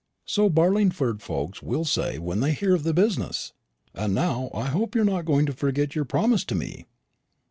"So Barlingford folks will say when they hear of the business. And now I hope you're not going to forget your promise to me."